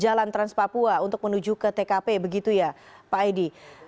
jalan trans papua untuk menuju ke tkp begitu ya pak aidi